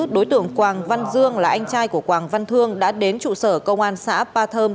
đối tượng quảng văn dương là anh trai của quảng văn thương đã đến trụ sở công an xã ba thơm